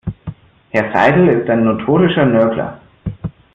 Herr Seidel ist ein notorischer Nörgler.